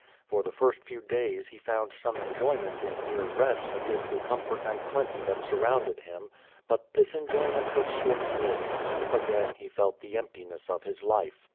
For the fii*st few days he found some enjoyment in mere rest amid the comfort and plenty that surrounded him. But this enjoyment was short lived. Again he felt the emptiness of his life.